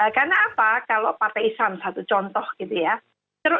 karena apa kalau partai islam satu contoh gitu ya